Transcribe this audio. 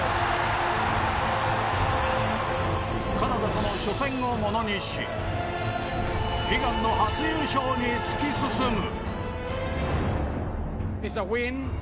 カナダとの初戦をものにし悲願の初優勝に突き進む。